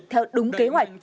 theo đúng kế hoạch